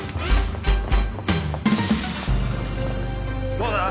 どうだ？